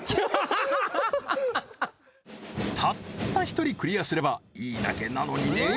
たった１人クリアすればいいだけなのにね